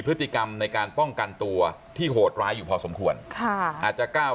พฤติกรรมในการป้องกันตัวที่โหดร้ายอยู่พอสมควรค่ะอาจจะก้าว